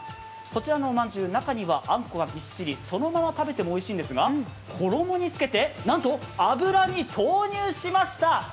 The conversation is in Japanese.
こちらのおまんじゅう中にはあんこがびっしり、そのまま食べてもおいしいんですが、衣につけてなんと油に投入しました。